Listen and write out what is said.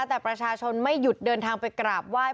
แต่ประชาชนไม่หยุดเดินทางไปกราบไหว้